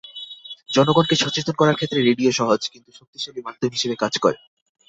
জনগণকে সচেতন করার ক্ষেত্রে রেডিও সহজ, কিন্তু শক্তিশালী মাধ্যম হিসেবে কাজ করে।